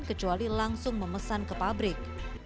kecuali langsung memesan ke pabrik